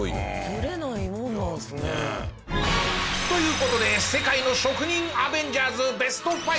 ずれないもんなんですね。という事で世界の職人アベンジャーズＢＥＳＴ５。